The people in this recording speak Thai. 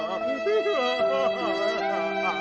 พอพอป่ะ